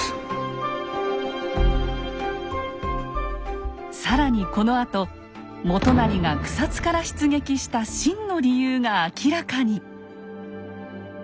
つまり更にこのあと元就が草津から出撃した真の理由が明らかに！